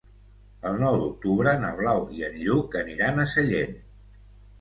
El nou d'octubre na Blau i en Lluc aniran a Sellent.